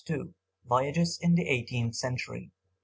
II. VOYAGES IN THE EIGHTEENTH CENTURY.